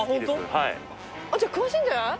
じゃあ詳しいんじゃない？